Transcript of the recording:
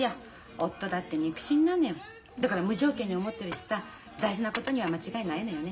だから無条件に思ってるしさ大事なことには間違いないのよね。